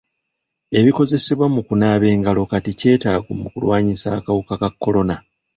Ebikozesebwa mu kunaaba engalo kati kyetaago mu kulwanyisa akawuka ka kolona.